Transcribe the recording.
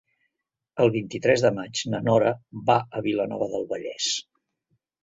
El vint-i-tres de maig na Nora va a Vilanova del Vallès.